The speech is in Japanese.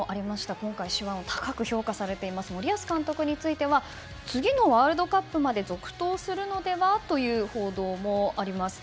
今回、手腕を高く評価されている森保監督については次のワールドカップまで続投するのではという報道もあります。